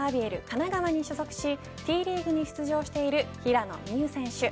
神奈川に所属しＴリーグに出場している平野美宇選手。